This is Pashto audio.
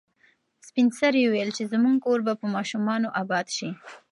سپین سرې وویل چې زموږ کور به په ماشومانو اباد شي.